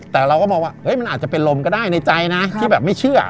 แต่เราก็มองว่ามันอาจจะเป็นลมก็ได้ในใจนะที่แบบไม่เชื่อ